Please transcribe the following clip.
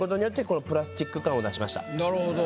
なるほど。